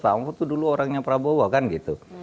pak mafud tuh dulu orangnya prabowo kan gitu